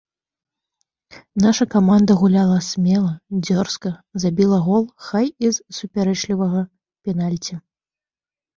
Наша каманда гуляла смела, дзёрзка, забіла гол, хай і з супярэчлівага пенальці.